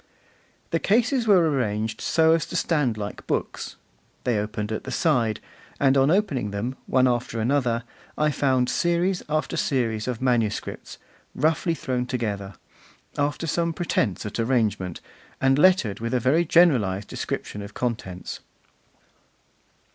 The cases were arranged so as to stand like books; they opened at the side; and on opening them, one after another, I found series after series of manuscripts roughly thrown together, after some pretence at arrangement, and lettered with a very generalised description of contents.